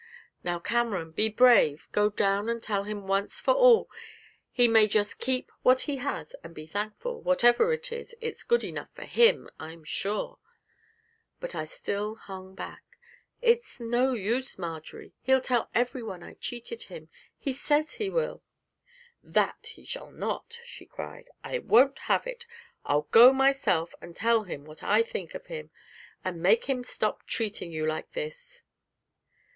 'Now, Cameron, be brave; go down and tell him once for all he may just keep what he has, and be thankful. Whatever it is, it's good enough for him, I'm sure!' But I still hung back. 'It's no use, Marjory, he'll tell everyone I cheated him he says he will!' 'That he shall not!' she cried; 'I won't have it, I'll go myself, and tell him what I think of him, and make him stop treating you like this.'